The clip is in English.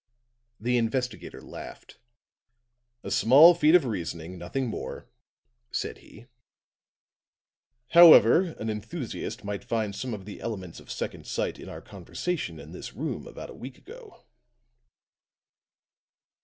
The investigator laughed. "A small feat of reasoning, nothing more," said he. "However, an enthusiast might find some of the elements of second sight in our conversation in this room about a week ago."